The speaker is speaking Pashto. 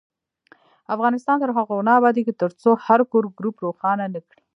افغانستان تر هغو نه ابادیږي، ترڅو هر کور ګروپ روښانه نکړي.